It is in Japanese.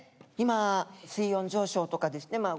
今水温上昇とかですね